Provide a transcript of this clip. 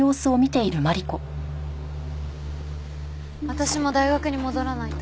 私も大学に戻らないと。